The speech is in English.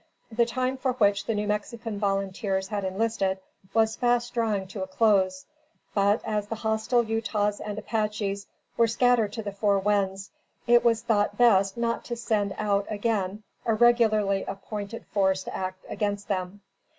The time for which the New Mexican volunteers had enlisted, was fast drawing to a close; but, as the hostile Utahs and Apaches were scattered to the four winds, it was thought best not to send out again a regularly appointed force to act against them.